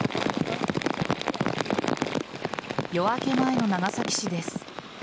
夜明け前の長崎市です。